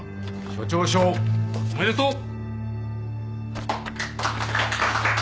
署長賞おめでとう！